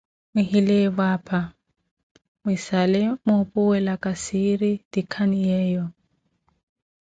Mwihileevo apa, mwisale muupuwelaka siiretikhaniyeyo.